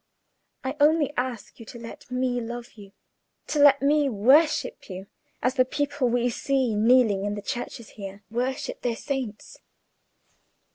I only ask you to let me love you, to let me worship you, as the people we see kneeling in the churches here worship their saints.